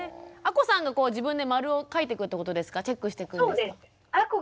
亜子さんが自分で○を書いてくってことですかチェックしてくんですか？